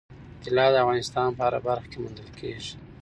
طلا د افغانستان په هره برخه کې موندل کېږي.